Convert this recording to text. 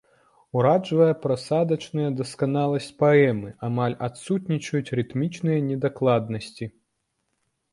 Уражвае прасадычная дасканаласць паэмы, амаль адсутнічаюць рытмічныя недакладнасці.